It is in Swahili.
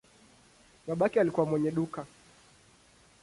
Babake alikuwa mwenye duka.